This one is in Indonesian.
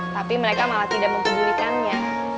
tapi mereka malah tidak mempedulikannya